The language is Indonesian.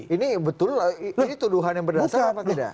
ini betul ini tuduhan yang berdasar apa tidak